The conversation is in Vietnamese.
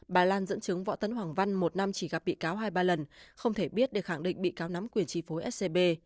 bà lan dẫn chứng võ tấn hoàng văn một năm chỉ gặp bị cáo hai ba lần không thể biết để khẳng định bị cáo nắm quyền chi phối scb